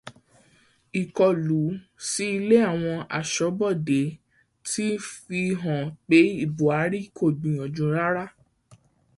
Ìkọlú sí ilé àwọn aṣọ́bodè ti fihàn pé Bùhárí kò gbìyànjú rárá